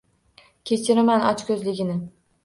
Kechiraman ochko’zligini.